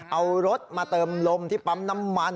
เอารถมาเติมลมที่ปั๊มน้ำมัน